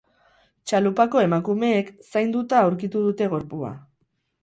Txalupako emakumeek zainduta aurkitu dute gorpua.